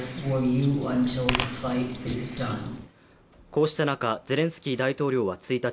こうした中ゼレンスキー大統領は１日、